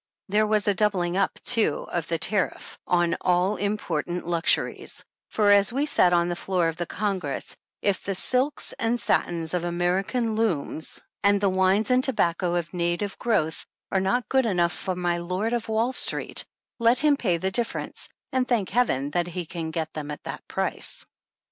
There was a doubling up too of the tariff on all im portant luxuries, for as was said on the floor of Con gress, " if the silks and satins of American looms and 30 the wines and tobacco of native growth, are not good enough for ^ my Lord of Wall Street,' let him pay the difference and thank heaven that he can get them at that price."